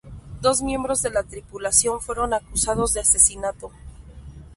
Dos miembros de la tripulación fueron acusados de asesinato.